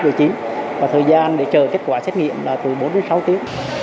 và thời gian để chờ kết quả xét nghiệm là từ bốn đến sáu tiếng